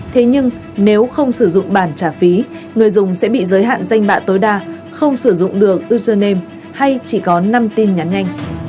thế nhưng nếu không sử dụng bản trả phí người dùng sẽ bị giới hạn danh bạ tối đa không sử dụng được uzername hay chỉ có năm tin nhắn nhanh